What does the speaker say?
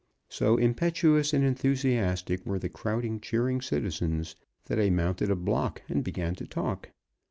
So impetuous and enthusiastic were the crowding, cheering citizens that I mounted a block and began to talk.